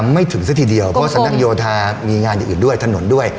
ไม่ถึงซะทีเดียวเพราะสำนักโยธามีงานอย่างอื่นด้วยถนนด้วย